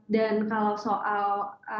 dan kalau soal